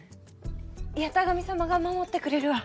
八咫神様が守ってくれるわ。